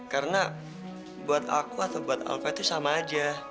karena buat aku atau buat alva itu sama aja